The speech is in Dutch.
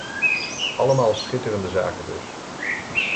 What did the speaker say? Allemaal schitterende zaken dus.